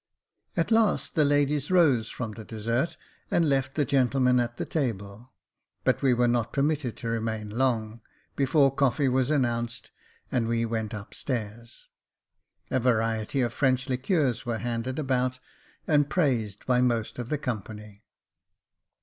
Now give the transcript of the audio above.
At last the ladies rose from the dessert, and left the gentlemen at the table : but we were not permitted to remain long, before coffee was announced, and we went up stairs. A variety of French liqueurs were handed about, and praised by most of the company.